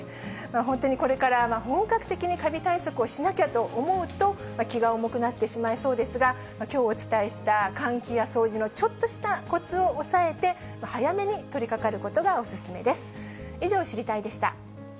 本当にこれから本格的にカビ対策をしなきゃと思うと、気が重くなってしまいそうですが、きょうお伝えした換気や掃除のちょっとしたこつをおさえて、早めに取りかかることがお勧めです。